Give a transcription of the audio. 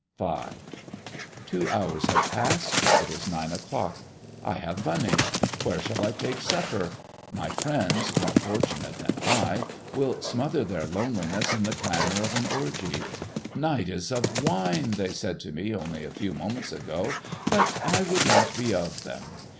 V. Two hours have passed. It is nine o'clock. I have money; where shall I take supper? My friends, more fortunate than I, will smother their loneliness in the clamor of an orgy. "Night is of wine," they said to me only a few moments ago; but I would not be of them.